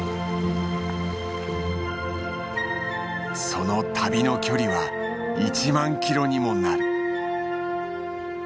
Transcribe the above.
その旅の距離は１万キロにもなる。